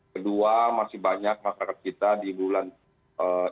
kedua masih banyak masyarakat kita di bulan tiga puluh satu mei